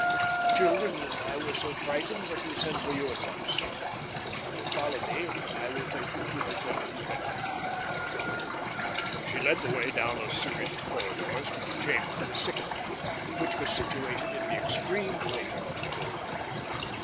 The children and I were so frightened that we sent for you at once. If you will follow me I will take you to the general's bedroom." She led the way down a series of corridors to the chamber of the sick man, which was situated in the extreme wing of the building.